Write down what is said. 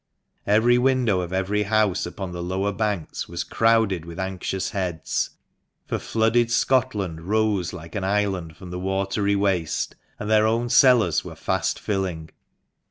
Every window of every house upon the lower banks was crowded with anxious heads, for flooded Scotland rose like an island from the watery waste, and their own cellars were fast filling.